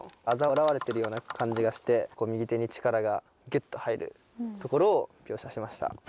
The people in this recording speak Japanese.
あざ笑われてるような感じがして右手に力がギュッと入るところを描写しました。